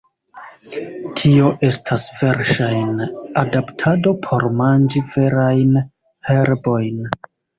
Tio estas verŝajne adaptado por manĝi verajn herbojn.